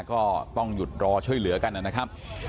ก็ต้องหยุดรอช่วยเหลือกันนะครับ